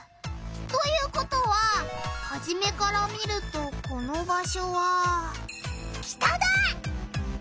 ということはハジメから見るとこの場しょは北だ！